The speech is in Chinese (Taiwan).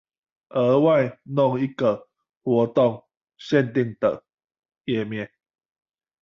額外弄一個活動限定的頁面